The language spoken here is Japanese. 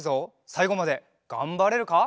さいごまでがんばれるか？